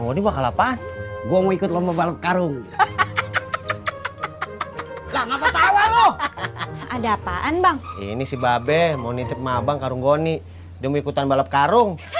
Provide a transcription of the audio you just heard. nggak kasihan sama mas pur